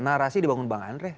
narasi dibangun bang andre